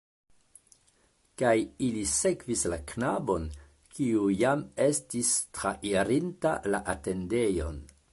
Kaj ili sekvis la knabon, kiu jam estis trairinta la atendejon.